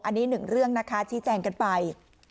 อันนี้๑เรื่องนะคะที่แจ้งกันไป